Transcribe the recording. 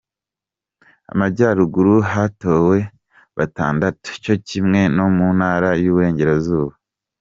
Amajyaruguru hatowe batandatu cyo kimwe no mu Ntara y’Uburengerazuba.